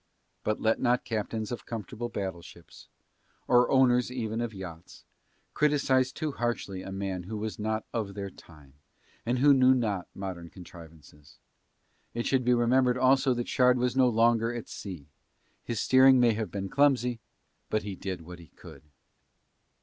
But let not captains of comfortable battleships, or owners even of yachts, criticise too harshly a man who was not of their time and who knew not modern contrivances; it should be remembered also that Shard was no longer at sea. His steering may have been clumsy but he did what he could.